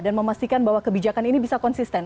dan memastikan bahwa kebijakan ini bisa konsisten